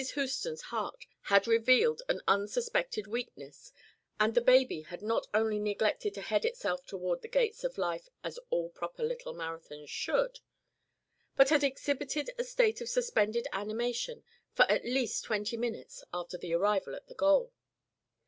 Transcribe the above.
Houston's heart had revealed an unsuspected weakness and the baby had not only neglected to head itself towards the gates of life as all proper little marathons should, but had exhibited a state of suspended animation for at least twenty minutes after its arrival at the goal.